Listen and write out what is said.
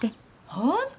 本当！